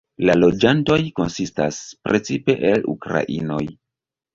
La loĝantoj konsistas precipe el ukrainoj.